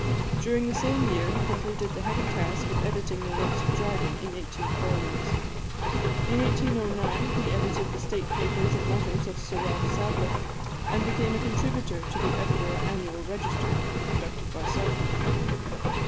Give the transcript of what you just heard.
During the same year he completed the heavy task of editing the works of Dryden, in eighteen volumes. In 1809 he edited the state papers and letters of Sir Ralph Sadler, and became a contributor to the Edinburgh Annual Register, conducted by Southey.